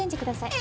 え！